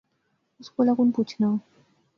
اس کولا کُن پچھنا